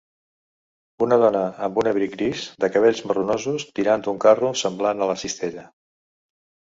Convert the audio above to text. Una dona amb un abric gris, de cabells marronosos, tirant d'un carro semblant a la cistella.